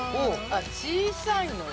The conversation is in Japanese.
◆あっ、小さいの。